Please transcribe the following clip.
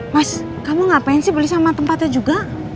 mas kamu ngapain sih beli sama tempatnya juga